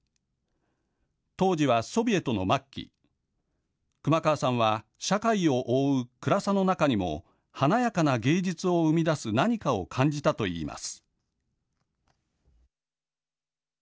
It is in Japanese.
当時はソビエトの末期熊川さんは社会を覆う暗さの中にも華やかな芸術を生み出す何かを感じたと言います。